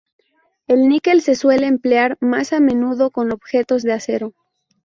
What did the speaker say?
El níquel se suele emplear más a menudo con objetos de acero.